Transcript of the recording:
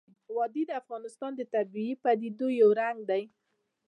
وادي د افغانستان د طبیعي پدیدو یو رنګ دی.